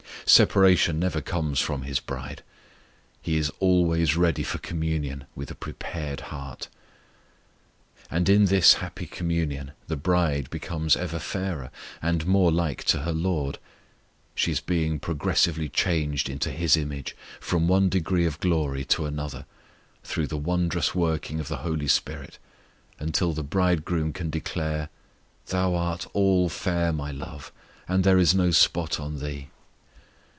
Separation never comes from His side. He is always ready for communion with a prepared heart, and in this happy communion the bride becomes ever fairer, and more like to her LORD. She is being progressively changed into His image, from one degree of glory to another, through the wondrous working of the HOLY SPIRIT, until the Bridegroom can declare: Thou art all fair, My love; And there is no spot on thee.